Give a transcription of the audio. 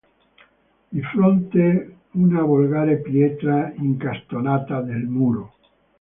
Di fronte, una volgare pietra incastonata nel muro.